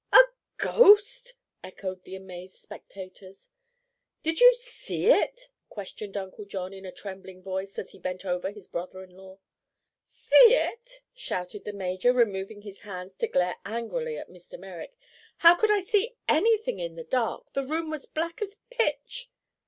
"A ghost!" echoed the amazed spectators. "Did you see it?" questioned Uncle John in a trembling voice, as he bent over his brother in law. "See it?" shouted the major, removing his hands to glare angrily at Mr. Merrick. "How could I see anything in the dark? The room was black as pitch."